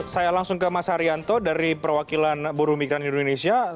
saya langsung ke mas haryanto dari perwakilan buruh migran indonesia